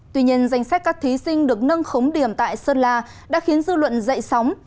tuy nhiên danh sách các thí sinh được nâng khống điểm tại sơn la đã khiến dư luận dậy sóng